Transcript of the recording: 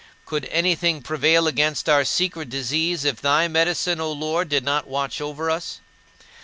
Could anything prevail against our secret disease if thy medicine, O Lord, did not watch over us?